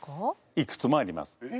いくつもあります。